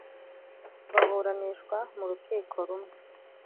baburanishwa mu rukiko rumwe